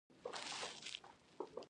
د هغه پیروان دي.